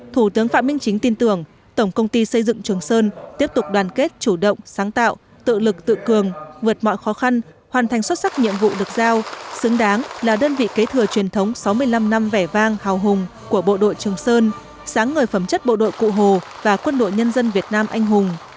thủ tướng phạm minh chính tin tưởng tổng công ty xây dựng trường sơn tiếp tục đoàn kết chủ động sáng tạo tự lực tự cường vượt mọi khó khăn hoàn thành xuất sắc nhiệm vụ được giao xứng đáng là đơn vị kế thừa truyền thống sáu mươi năm năm vẻ vang hào hùng của bộ đội trường sơn sáng ngời phẩm chất bộ đội cụ hồ và quân đội nhân dân việt nam anh hùng